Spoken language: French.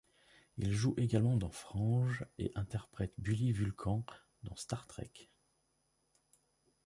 Il joue également dans Frange et interprète Bully Vulcan dans Star Strek.